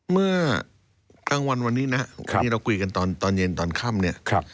เมื่อกลางวันวันนี้นะวันนี้เราคุยกันตอนเย็นตอนค่ำเนี่ย